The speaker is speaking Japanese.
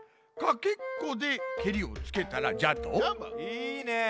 いいね。